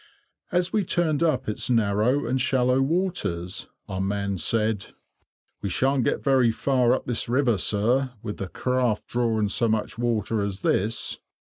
As we turned up its narrow and shallow waters, our man said, "We shan't get very far up this river, sir, with a craft drawing so much water as this."